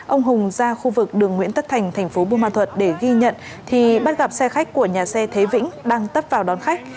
ông hùng ra khu vực đường nguyễn tất thành thành phố buôn ma thuật để ghi nhận thì bắt gặp xe khách của nhà xe thế vĩnh đang tấp vào đón khách